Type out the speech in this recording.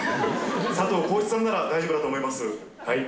佐藤浩市さんなら大丈夫だとはい。